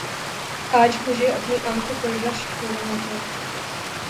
آج مجھے اپنی انکھوں پر رشک ہو رہا تھا